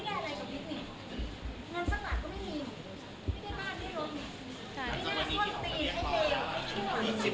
เขาก็ไม่ติดตอบ